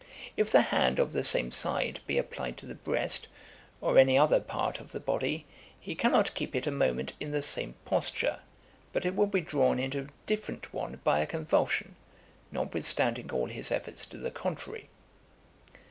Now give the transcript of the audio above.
If the hand of the same side be applied to the breast, or any other part of the body, he cannot keep it a moment in the same posture, but it will be drawn into a different one by a convulsion, notwithstanding all his efforts to the contrary.'